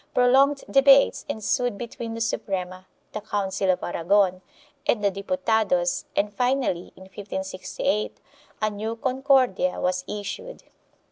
Prolonged debates ensued between the Suprema, the Council of Aragon and the Diputados and finally, in 1568, a new Concordia was issued.